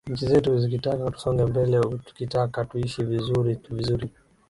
nchi zetu zikitaka tusonge mbele tukitaka tuishi vizuri vizuri